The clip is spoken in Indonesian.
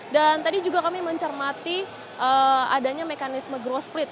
dan tadi juga kami mencermati adanya mekanisme growth split